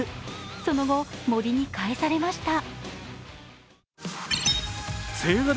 その後、森に返されました。